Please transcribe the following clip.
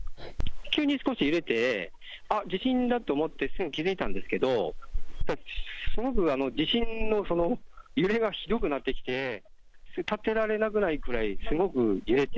急に少し揺れて、あっ、地震だって思って、すぐ気付いたんですけど、すごく地震の揺れがひどくなってきて、立ってられないくらい、すごく揺れて。